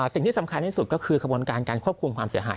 สิ่งที่สำคัญที่สุดก็คือขบวนการการควบคุมความเสียหาย